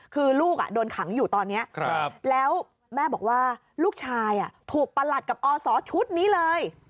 คือลูกโดนขังอยู่ตอนนี้แล้วแม่บอกว่าลูกชายถูกประหลัดกับอศชุดนี้เลย